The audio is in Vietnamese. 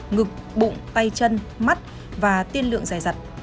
ngực bụng tay chân mắt và tiên lượng dài dặt